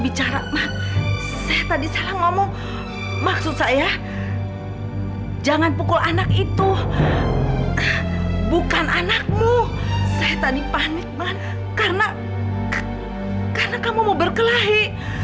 bicara saya tadi salah ngomong maksud saya jangan pukul anak itu bukan anakmu karena kamu berkelahi